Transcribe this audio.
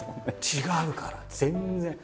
違うから全然。